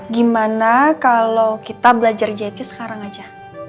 gimana kalau kita belajar jt sekarang aja